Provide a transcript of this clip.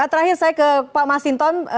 terakhir saya ke pak masinton